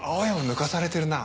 抜かされてるな。